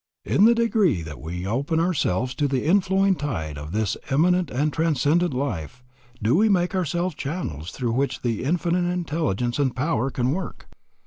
_In the degree that we open ourselves to the inflowing tide of this immanent and transcendent life, do we make ourselves channels through which the Infinite Intelligence and Power can work_.